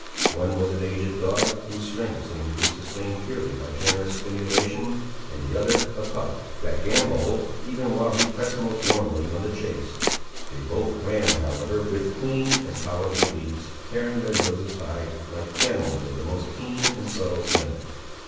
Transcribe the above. One was an aged dog, whose strength seemed to be sustained purely by generous emulation, and the other a pup, that gambolled even while he pressed most warmly on the chase. They both ran, however, with clean and powerful leaps, carrying their noses high, like animals of the most keen and subtle scent.